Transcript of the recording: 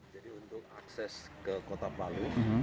jadi untuk akses ke kota palu